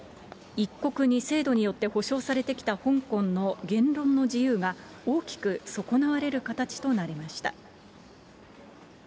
一国二制度によって保障されてきた香港の言論の自由が、大きく損なわれる形となりました。